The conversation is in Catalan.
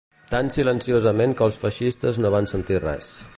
Tan silenciosament que els feixistes no van sentir res